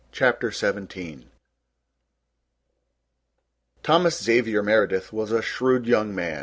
CHAPTER XVII Thomas Xavier Meredith was a shrewd young man.